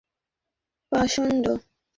তুমি একটা পাষণ্ড!